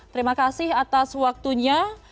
terima kasih atas waktunya